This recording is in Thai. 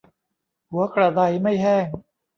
หัวกระไดไม่แห้ง